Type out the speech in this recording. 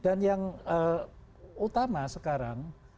dan yang utama sekarang